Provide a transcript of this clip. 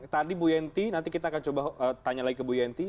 tadi bu yenti nanti kita akan coba tanya lagi ke bu yenty